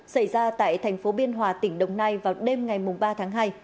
xảy ra tại thành phố biên hòa tỉnh đồng nai vào đêm ngày ba tháng hai